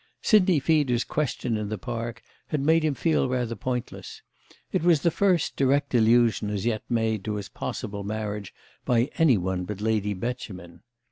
Sidney Feeder's question in the Park had made him feel rather pointless; it was the first direct allusion as yet made to his possible marriage by any one but Lady Beauchemin.